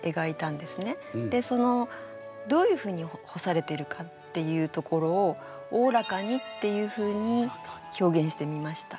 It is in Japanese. でそのどういうふうに干されているかっていうところを「大らかに」っていうふうに表現してみました。